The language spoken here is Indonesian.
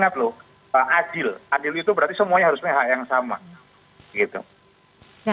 adil adil itu berarti semuanya harus punya hak yang sama